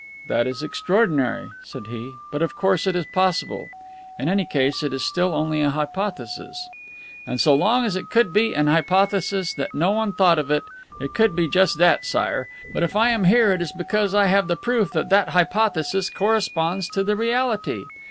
"That is extraordinary," said he. "But of course it is possible. In any case, it is still only an hypothesis. "And so long as it could be an hypothesis that no one thought of, it could be just that, Sire. But if I am here, it is because I have the proof that that hypothesis corresponds to the reality.